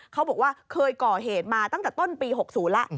เขาบอกว่าเคยก่อเหตุมาตั้งแต่ต้นปี๖๐แล้ว